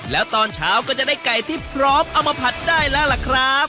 แล้วตอนเช้าก็จะได้ไก่ที่พร้อมเอามาผัดได้แล้วล่ะครับ